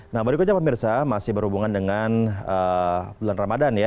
nah berikutnya pemirsa masih berhubungan dengan bulan ramadhan ya